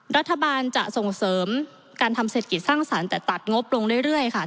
รัฐบาลจะส่งเสริมการทำเศรษฐกิจสร้างสรรค์แต่ตัดงบลงเรื่อยค่ะ